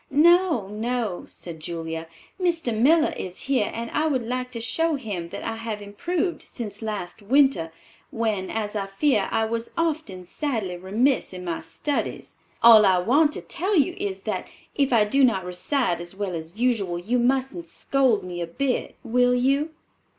"No, no," said Julia; "Mr. Miller is here and I would like to show him that I have improved since last winter, when, as I fear, I was often sadly remiss in my studies. All I want to tell you is that if I do not recite as well as usual, you mustn't scold me a bit; will you?"